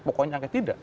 pokoknya angket tidak